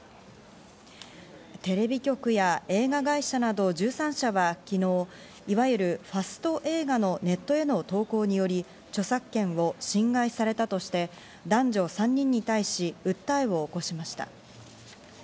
テレビ局や映画会社など１３社は昨日、いわゆるファスト映画のネットへの投稿により著作権を侵害されたとして男女３人に対し、訴えを起こしました。